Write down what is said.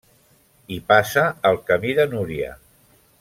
Hi passa el Camí de Núria.